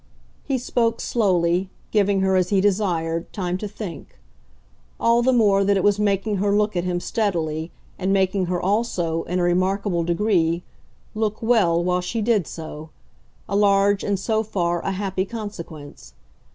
He spoke slowly, giving her, as he desired, time to think; all the more that it was making her look at him steadily, and making her also, in a remarkable degree, look "well" while she did so a large and, so far, a happy, consequence.